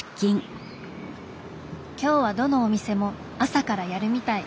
今日はどのお店も朝からやるみたい。